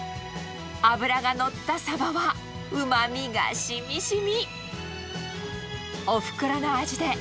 脂が乗ったサバはうまみがしみしみ。